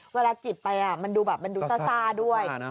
เวลากินไปมันดูซ้าด้วย